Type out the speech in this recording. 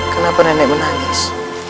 kenapa nenek menangis